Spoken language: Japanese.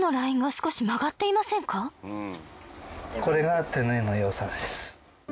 これが手縫いのよさです。